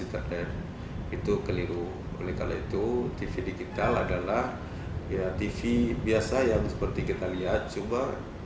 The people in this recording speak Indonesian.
internet itu keliru oleh kala itu tv digital adalah ya tv biasa yang seperti kita lihat cuma